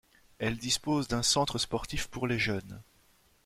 Elle dispose d'un centre sportif pour les jeunes.